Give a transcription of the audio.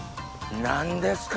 何ですか？